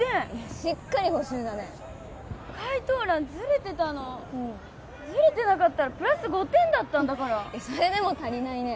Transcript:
しっかり補習だね解答欄ずれてたのずれてなかったらプラス５点だったんだからそれでも足りないね